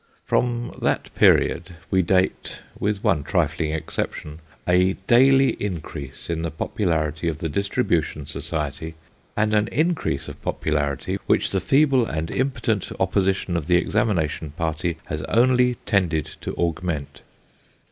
From that period wo date (with one trifling exception) a daily increase in the popularity of the distribution society, and an increase of popularity, which the feeble and impotent oppo sition of the examination party, has only tended to augment.